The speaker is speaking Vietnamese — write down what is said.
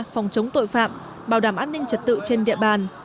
phòng chống tội phạm bảo đảm an ninh trật tự trên địa bàn